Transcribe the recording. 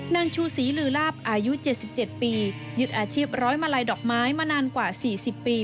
นางชูศรีลือลาบอายุ๗๗ปียึดอาชีพร้อยมาลัยดอกไม้มานานกว่า๔๐ปี